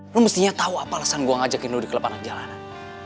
lu mestinya tau apa alasan gua ngajakin lu di kelepanan jalanan